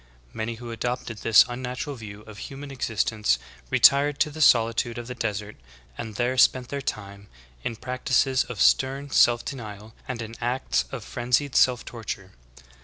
Many who adopted this unnatural view of human existence retired to the solitude of the desert, and there spent their time in practices of stern self denial and in acts of frenzied self torture.